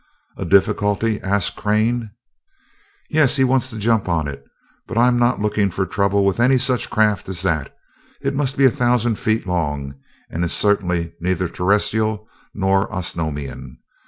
"A difficulty?" asked Crane. "Yes. He wants to go jump on it, but I'm not looking for trouble with any such craft as that it must be a thousand feet long and is certainly neither Terrestrial nor Osnomian.